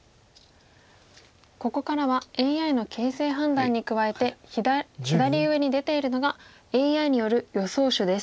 ここからはＡＩの形勢判断に加えて左上に出ているのがＡＩによる予想手です。